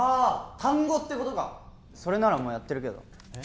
単語ってことかそれならもうやってるけどえっ？